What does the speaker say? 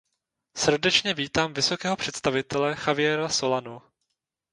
Srdečně vítám vysokého představitele Javiera Solanu.